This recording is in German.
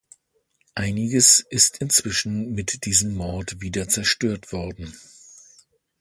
Einiges ist inzwischen mit diesem Mord wieder zerstört worden.